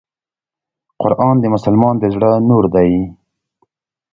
قرآن د مسلمان د زړه نور دی .